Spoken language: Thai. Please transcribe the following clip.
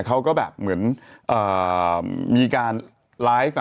เขาก็แบบเหมือนมีการไลฟ์